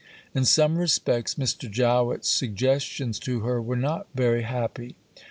In some respects Mr. Jowett's suggestions to her were not very happy.